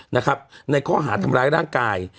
นะครับในข้อหาทำร้ายร่างกาย